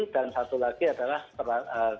dan satu lagi adalah kesepakatan